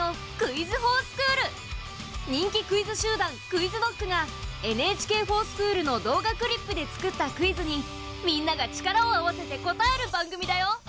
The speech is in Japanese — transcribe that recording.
人気クイズ集団ＱｕｉｚＫｎｏｃｋが「ＮＨＫｆｏｒｓｃｈｏｏｌ」の動画クリップで作ったクイズにみんなが力を合わせて答える番組だよ。